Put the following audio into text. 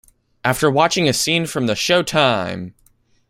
After watching a scene from the Showtime!